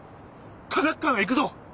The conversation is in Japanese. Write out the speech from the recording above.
科学館へ行くぞ！